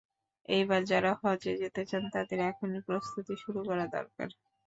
এবার যাঁরা হজে যেতে চান, তাঁদের এখনই প্রস্তুতি শুরু করা দরকার।